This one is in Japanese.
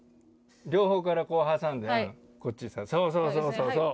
両方からこう挟んでそうそうそうそうそう。